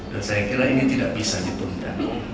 dan saya kira ini tidak bisa dituntutkan